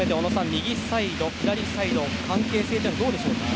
右サイド、左サイド関係性はどうでしょうか。